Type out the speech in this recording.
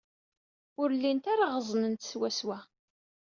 Ur llint ara ɣeẓnent swaswa.